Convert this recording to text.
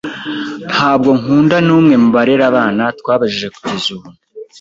Ntabwo nkunda numwe mubarera abana twabajije kugeza ubu.